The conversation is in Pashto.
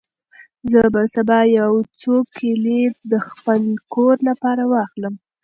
زه به سبا یو څو کیلې د خپل کور لپاره واخلم.